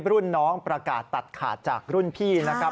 รุ่นน้องประกาศตัดขาดจากรุ่นพี่นะครับ